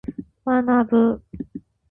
学ぶ。